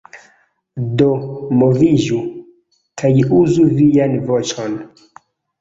Do moviĝu, kaj uzu vian voĉon.